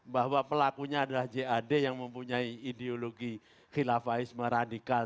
bahwa pelakunya adalah jad yang mempunyai ideologi khilafahme radikal